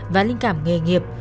và linh cảm nghề nghiệp